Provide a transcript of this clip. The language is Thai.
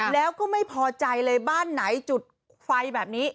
แล้วก็ไม่พอใจเลยบ้านไหนจุดไฟแบบนี้